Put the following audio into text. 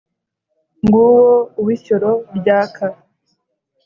nguwo uw ishyoro ryaka